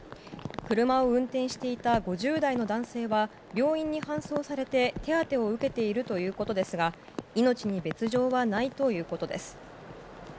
車を運転していた５０代の男性は病院に搬送されて手当てを受けているということですが命に別条はないということです。